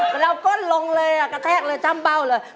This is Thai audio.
มันเอาก้นลงเลยกระแทกเลยจ้ำเบ้าเลย